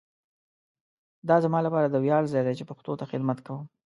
دا زما لپاره د ویاړ ځای دی چي پښتو ته خدمت کوؤم.